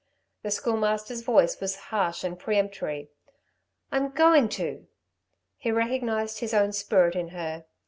The Schoolmaster's voice was harsh and peremptory. "I'm going to!" He recognised his own spirit in her.